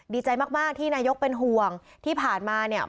ดีใจมากมากที่นายกเป็นห่วงที่ผ่านมาเนี่ย